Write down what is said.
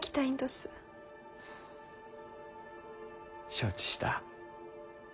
承知した。